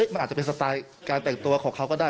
มันอาจจะเป็นสไตล์การแต่งตัวของเขาก็ได้